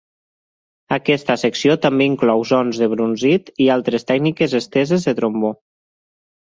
Aquesta secció també inclou sons de brunzit i altres tècniques esteses de trombó.